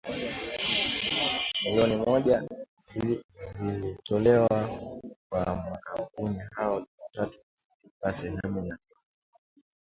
milioni moja zilitolewa kwa makampuni hayo Jumatatu kulipa sehemu ya deni hilo.